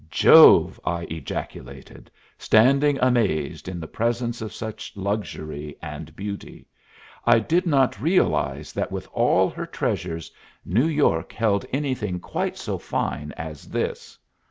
"Jove!" I ejaculated, standing amazed in the presence of such luxury and beauty. "I did not realize that with all her treasures New York held anything quite so fine as this.